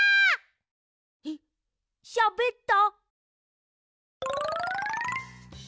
えっしゃべった？